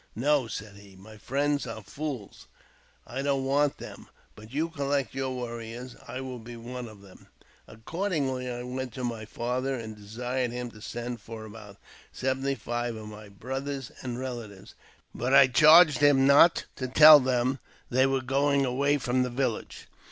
" No," said he, " my friends are fools. I don't want them. But you collect your warriors, and I will be one of them." Accordingly, I went to my father, and desired him to send for about seventy five of my brothers and relatives, and tell them the Medicine Calf wished to see them ; but I charged him not to tell them they were going away from the village.